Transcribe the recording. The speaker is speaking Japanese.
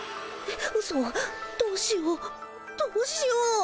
えっうそどうしようどうしよう。